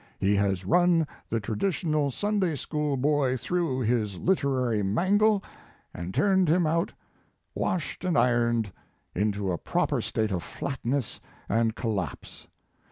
, He has run the traditional Sunday school boy through his literary mangle and turned him out washed and ironed into a proper state of flatness and col lapse.